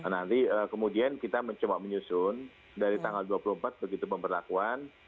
nanti kemudian kita mencoba menyusun dari tanggal dua puluh empat begitu pemberlakuan